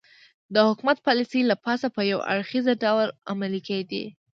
د حکومت پالیسۍ له پاسه په یو اړخیز ډول عملي کېدې